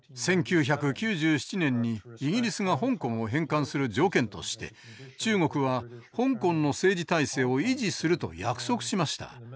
１９９７年にイギリスが香港を返還する条件として中国は香港の政治体制を維持すると約束しました。